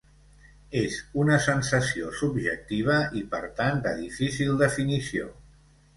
És una sensació subjectiva i per tant de difícil definició.